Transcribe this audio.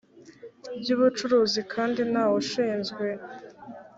by ubucuruzi kandi nta ushinzwe